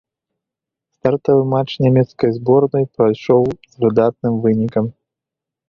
Стартавы матч нямецкай зборнай прайшоў з выдатным вынікам.